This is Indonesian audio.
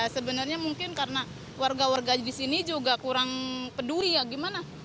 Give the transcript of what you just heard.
sebenarnya mungkin karena warga warga di sini juga kurang peduli ya gimana